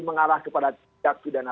mengarah kepada pihak pidana